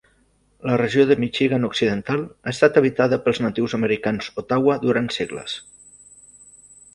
La regió de Michigan Occidental ha estat habitada pels natius americans Ottawa durant segles.